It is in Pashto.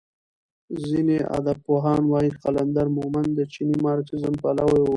ځینې ادبپوهان وايي قلندر مومند د چیني مارکسیزم پلوی و.